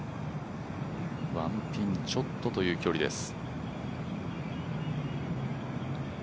ワンピンちょっとという距離です。